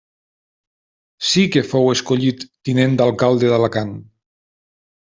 Sí que fou escollit tinent d'alcalde d'Alacant.